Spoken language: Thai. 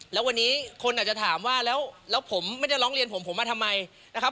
แล้ววันนี้คนอาจจะถามว่าแล้วผมไม่ได้ร้องเรียนผมผมมาทำไมนะครับ